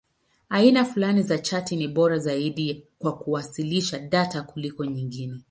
Aina fulani za chati ni bora zaidi kwa kuwasilisha data kuliko nyingine.